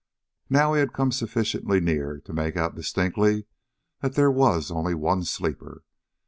Now he had come sufficiently near to make out distinctly that there was only one sleeper.